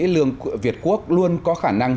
lương việt quốc luôn có khả năng